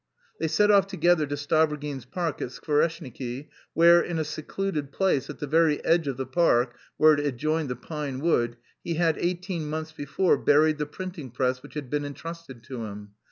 They set off together to Stavrogin's park at Skvoreshniki, where, in a secluded place at the very edge of the park where it adjoined the pine wood, he had, eighteen months before, buried the printing press which had been entrusted to him.